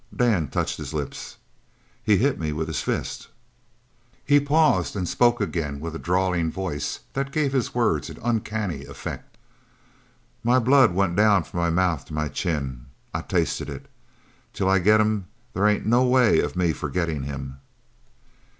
Dan touched his lips. "He hit me with his fist." He paused, and spoke again with a drawling voice that gave his words an uncanny effect. "My blood went down from my mouth to my chin. I tasted it. Till I get him there ain't no way of me forgettin' him."